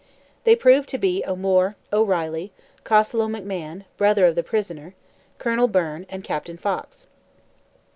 They proved to be O'Moore, O'Reilly, Costelloe McMahon, brother of the prisoner, Colonel Byrne, and Captain Fox.